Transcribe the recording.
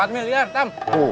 empat miliar tam